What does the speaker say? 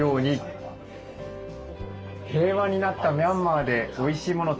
「平和になったミャンマーでおいしいもの